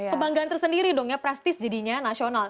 kebanggaan tersendiri dong ya prastis jadinya nasional